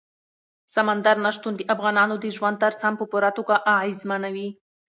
سمندر نه شتون د افغانانو د ژوند طرز هم په پوره توګه اغېزمنوي.